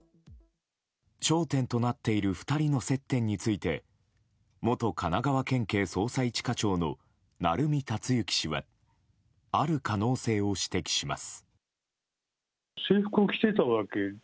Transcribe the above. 焦点となっている２人の接点について元神奈川県警捜査１課長の鳴海達之氏はある可能性を指摘します。